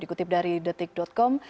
dikutip dari detik com